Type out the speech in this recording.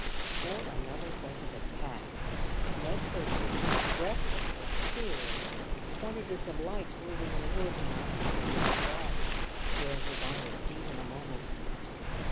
Before another second had passed, Ned Purchase, breathless with fear, pointed to some lights moving in the wood not a hundred yards off. Phil was on his feet in a moment.